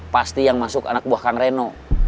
pasti yang masuk anak buah kang reno